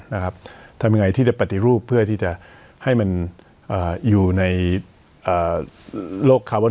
นะครับทำไงที่จะปฏิรูปเพื่อที่จะให้มันอ่าอยู่ในอ่าโลกคาร์โบน